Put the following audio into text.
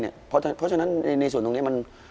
เพราะฉะนั้นในส่วนตรงนี้มัน